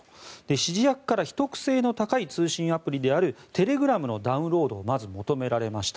指示役から秘匿性の高い通信アプリであるテレグラムのダウンロードをまず求められました。